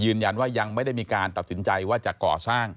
ยืนยันว่ายังไม่ได้มีการตัดสินใจว่าจะก่อสร้าง